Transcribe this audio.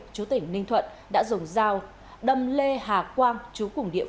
chú tỉnh ninh thuận đã dùng dao đầm lê hà quang chú củng địa phạm